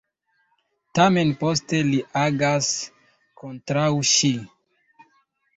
Tamen poste li agas kontraŭ ŝi.